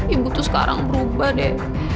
ibu tuh sekarang berubah deh